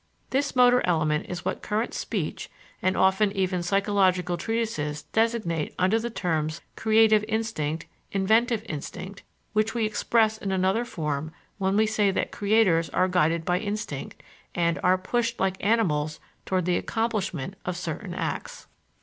This motor element is what current speech and often even psychological treatises designate under the terms "creative instinct," "inventive instinct;" what we express in another form when we say that creators are guided by instinct and "are pushed like animals toward the accomplishment of certain acts."